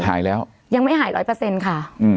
หายแล้วยังไม่หายร้อยเปอร์เซ็นต์ค่ะ